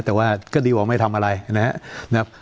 แต่ว่าก็ดีกว่าไม่ทำอะไรนะครับ